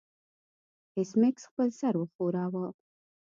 ایس میکس خپل سر وښوراوه